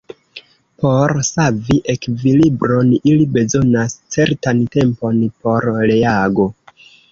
Por savi ekvilibron ili bezonas certan tempon por reago.